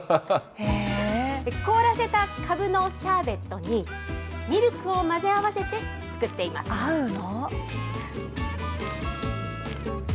凍らせたかぶのシャーベットに、ミルクを混ぜ合わせて作って合うの？